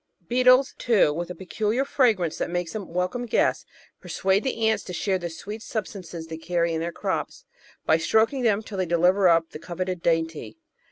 Beetles, too, with a peculiar fragrance that makes them welcome guests, persuade the ants to share the sweet sub stances they carry in their crops, by stroking them till they deliver up the coveted dainty.